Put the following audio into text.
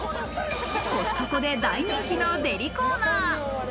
コストコで大人気のデリコーナー。